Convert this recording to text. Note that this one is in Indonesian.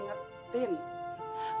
aneh bakal ingetin